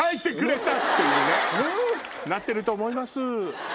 なってると思いますぅ。